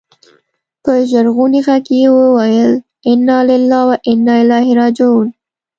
په ژړغوني ږغ يې وويل انا لله و انا اليه راجعون.